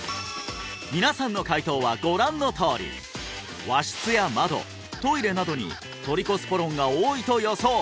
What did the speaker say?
皆さんの回答はご覧のとおり和室や窓トイレなどにトリコスポロンが多いと予想！